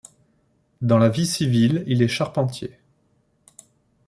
Dans la vie civile, il est charpentier.